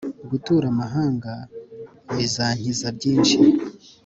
Gutura amahanga Bizankiza byinshi